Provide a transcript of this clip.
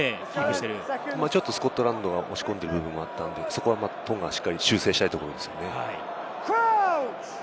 ちょっとスコットランドが押し込んでる部分があったので、そこはしっかりトンガ、修正したいと思うんですね。